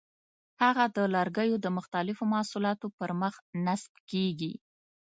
هغه د لرګیو د مختلفو محصولاتو پر مخ نصب کېږي.